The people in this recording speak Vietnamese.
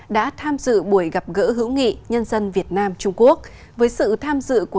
đã tham dự buổi gặp gỡ hữu nghị nhân dân việt nam trung quốc với sự tham dự của